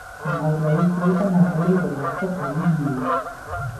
唔係你估真係喺呢度立足好易?